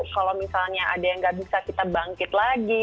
kalau misalnya ada yang nggak bisa kita bangkit lagi